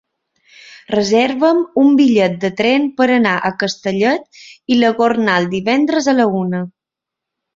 Reserva'm un bitllet de tren per anar a Castellet i la Gornal divendres a la una.